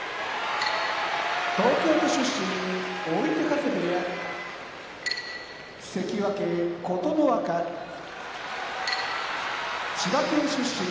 東京都出身追手風部屋関脇・琴ノ若千葉県出身